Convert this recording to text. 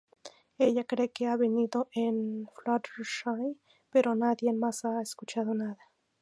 Ella cree que ha venido de Fluttershy, pero nadie más ha escuchado nada.